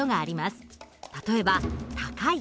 例えば高い木。